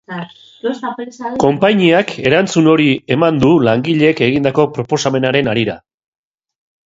Konpainiak erantzun hori eman du langileek egindako proposamenaren harira.